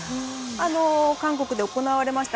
韓国で行われました